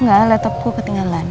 engga laptopku ketinggalan